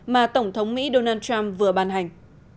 mà tổng thống mỹ donald trump vừa ban hành